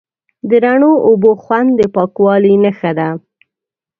د رڼو اوبو خوند د پاکوالي نښه ده.